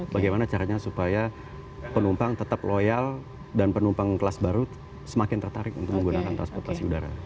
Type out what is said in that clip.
bagaimana caranya supaya penumpang tetap loyal dan penumpang kelas baru semakin tertarik untuk menggunakan transportasi udara